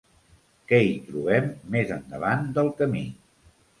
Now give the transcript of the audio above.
Què hi trobem més endavant del camí?